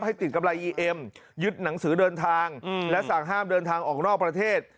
ติดกำไรอีเอ็มยึดหนังสือเดินทางและสั่งห้ามเดินทางออกนอกประเทศ